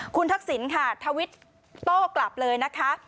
คุณทักษิณค่ะทวิตโต้กลับเลยนะคะ